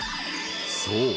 そう。